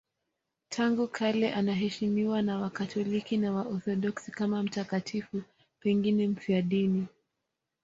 Tangu kale anaheshimiwa na Wakatoliki na Waorthodoksi kama mtakatifu, pengine mfiadini.